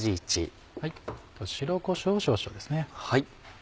白こしょうを少々ですね。